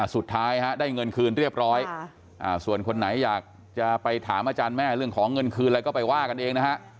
สุดท้ายได้เงินคืนเรียบร้อยส่วนคนไหนอยากจะไปถามอาจารย์แม่เรื่องของเงินคืนอะไรก็ไปว่ากันเองนะฮะ